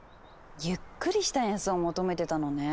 ゆっくりした演奏を求めてたのね。